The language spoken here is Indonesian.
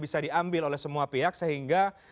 bisa diambil oleh semua pihak sehingga